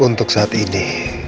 untuk saat ini